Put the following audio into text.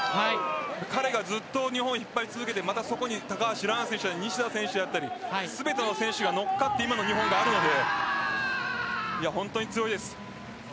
彼がずっと日本を引っ張り続けてそこに高橋藍選手や西田選手だったり全ての選手が乗っかって今の日本があるので本当に強いです。